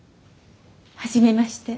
初めまして。